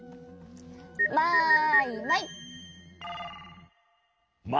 マイマイ！